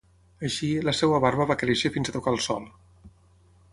Així, la seva barba va créixer fins a tocar el sòl.